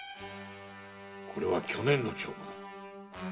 これは去年の帳簿。